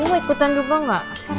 ini mau ikutan juga nggak askar